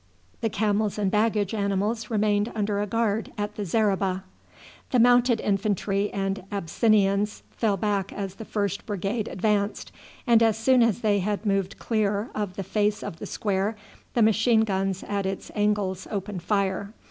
The camels and baggage animals remained under a guard at the zareba. The Mounted Infantry and Abyssinians fell back as the first brigade advanced, and as soon as they had moved clear of the face of the square the machine guns at its angles opened fire.